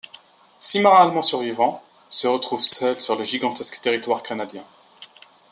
Six marins allemands survivants se retrouvent seuls sur le gigantesque territoire canadien.